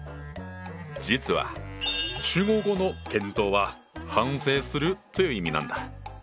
実は中国語の「検討」は「反省する」という意味なんだ。